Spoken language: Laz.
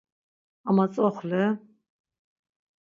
Ama tzoxle...